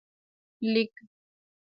لږ